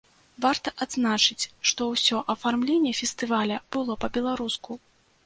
Варта адзначыць, што ўсё афармленне фестываля было па-беларуску.